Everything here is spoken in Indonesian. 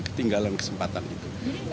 ketinggalan kesempatan itu